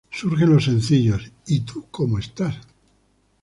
Surgen los sencillos “¿Y tú cómo estás?